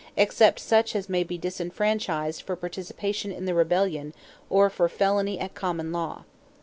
except such as may be disfranchised for participation in the rebellion or for felony at common law."